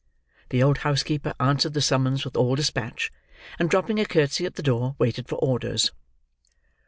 The old housekeeper answered the summons with all dispatch; and dropping a curtsey at the door, waited for orders.